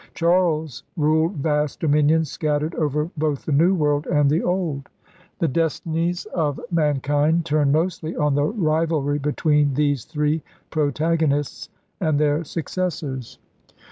Charles ruled vast dominions scattered over both the New World and the Old. The destinies of KING HENRY VIII 23 mankind turned mostly on the rivalry between these three protagonists and their successors.